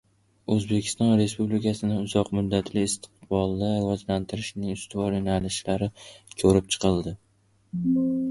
O‘zbekiston Respublikasini uzoq muddatli istiqbolda rivojlantirishning ustuvor yo‘nalishlari ko‘rib chiqildi